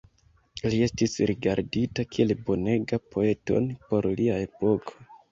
Li estis rigardita kiel bonegan poeton por lia epoko.